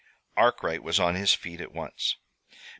Arkwright was on his feet at once.